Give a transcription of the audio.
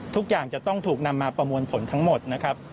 ทุกอย่างจะต้องถูกนำมาประมวลผลทั้งหมดนะครับ